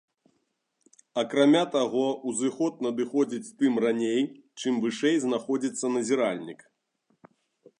Акрамя таго, узыход надыходзіць тым раней, чым вышэй знаходзіцца назіральнік.